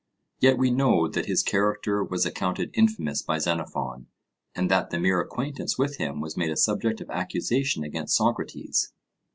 Yet we know that his character was accounted infamous by Xenophon, and that the mere acquaintance with him was made a subject of accusation against Socrates.